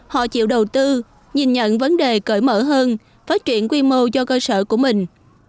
họ chịu đầu tư nhìn nhận vấn đề cởi mở hơn phát triển quy mô cho cơ sở của mình